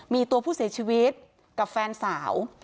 มีตัวผู้เสียชีวิตกับแฟนสาว